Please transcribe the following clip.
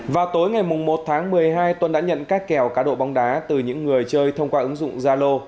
vào tối ngày một tháng một mươi hai tuân đã nhận các kèo cá độ bóng đá từ những người chơi thông qua ứng dụng zalo